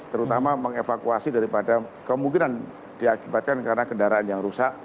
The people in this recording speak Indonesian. terutama mengevakuasi daripada kemungkinan diakibatkan karena kendaraan yang rusak